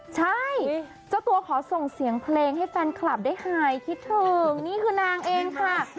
ใช่เจ้าตัวขอส่งเสียงเพลงให้แฟนคลับได้หายคิดถึงนี่คือนางเองค่ะ